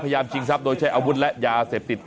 พยายามชิงทรัพย์โดยแช่อาวุธและยาเสพติด